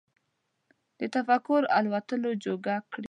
د تفکر الوتلو جوګه کړي